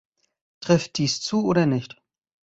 Trifft dies zu oder nicht?